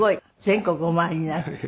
全国お回りになる。